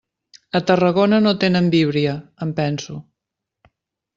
A Tarragona no tenen Víbria, em penso.